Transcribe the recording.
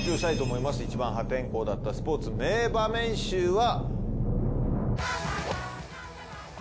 いちばん破天荒だったスポーツ名場面集は。